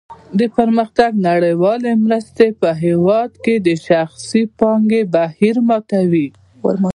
د پرمختګ نړیوالې مرستې په هېواد کې د شخصي پانګې بهیر ورماتوي.